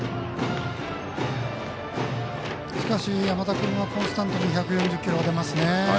山田君はコンスタントに１４０キロ出ますね。